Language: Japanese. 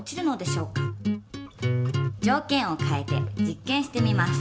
じょうけんを変えて実験してみます。